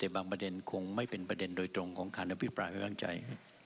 แต่บางประเด็นคงไม่เป็นประเด็นโดยตรงของการอภิปรายไม่วางใจ